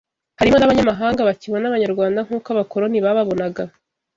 Harimo n’abanyamahanga bakibona abanyarwanda nk’uko abakoloni bababonaga